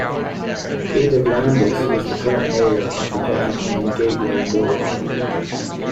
Dave Landis is the current Mayor of the Ketchikan Gateway Borough.